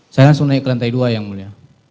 saya langsung naik ke lantai dua yang mulia